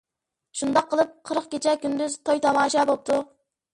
شۇنداق قىلىپ، قىرىق كېچە-كۈندۈز توي-تاماشا بوپتۇ.